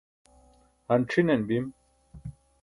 han c̣hinan bim